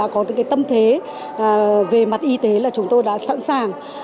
chúng tôi đã có tâm thế về mặt y tế là chúng tôi đã sẵn sàng